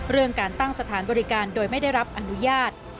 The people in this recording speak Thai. เรื่องการตั้งสถานบริการโดยไม่ได้รับอนุญาต